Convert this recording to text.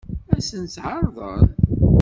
Ad sent-tt-ɛeṛḍen?